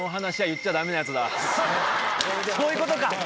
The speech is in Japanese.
そういうことか！